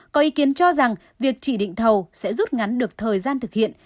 có ý kiến cho rằng việc chỉ định thầu sẽ rút ngắn được thời gian thực hiện